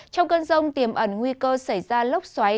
trong cơn rông tiềm ẩn nguy cơ xảy ra lốc xoáy